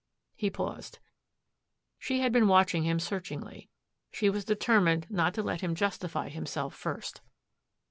He paused. She had been watching him searchingly. She was determined not to let him justify himself first.